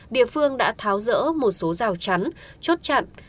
địa phương đã tháo rỡ một số rào chắn chốt chặn